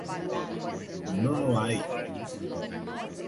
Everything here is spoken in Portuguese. Nonoai